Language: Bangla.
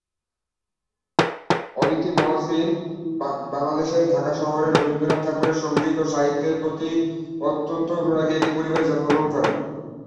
অদিতি মহসিন বাংলাদেশের ঢাকা শহরে রবীন্দ্রনাথ ঠাকুরের সঙ্গীত ও সাহিত্যের প্রতি অত্যন্ত অনুরাগী একটি পরিবারে জন্মগ্রহণ করেন।